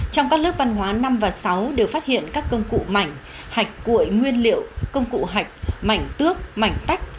trong các lớp văn hóa năm và sáu đều phát hiện các công cụ mảnh hạch cuội nguyên liệu công cụ hạch mảnh tước mảnh tách